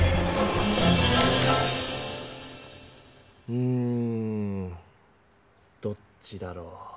うんどっちだろう。